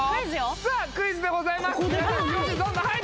さあクイズでございますはい！